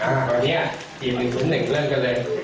ตอนนี้ทีมนึงทุนหนึ่งเริ่มกันเลย